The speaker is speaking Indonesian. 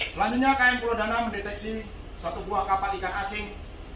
selanjutnya km pulau dana mendeteksi satu buah kapal ikan asing